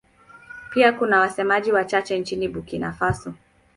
Pia kuna wasemaji wachache nchini Burkina Faso.